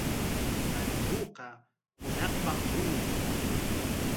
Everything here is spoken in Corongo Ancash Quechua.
Allquuqa hunaqpam puñun.